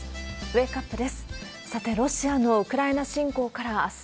ウェークアップです。